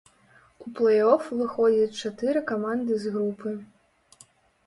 У плэй-оф выходзяць чатыры каманды з групы.